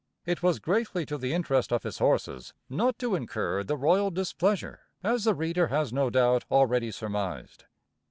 It was greatly to the interest of his horses not to incur the royal displeasure, as the reader has no doubt already surmised.